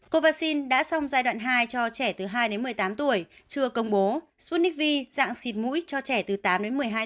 cô vaccine đã xong giai đoạn hai cho trẻ từ hai một mươi tám tuổi chưa công bố sputnik v dạng xịt mũi cho trẻ từ tám một mươi hai tuổi